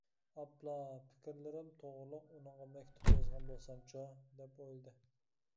«ئاپلا. پىكىرلىرىم توغرۇلۇق ئۇنىڭغا مەكتۇپ يازغان بولسامچۇ! » دەپ ئويلىدى.